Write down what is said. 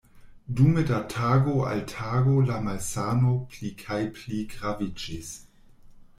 Dume de tago al tago la malsano pli kaj pli graviĝis.